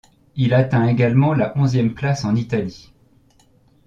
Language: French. Il atteint également la onzième place en Italie.